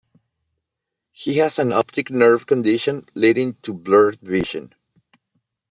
He has an optic nerve condition leading to blurred vision.